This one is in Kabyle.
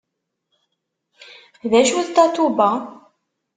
D acu d Tatoeba?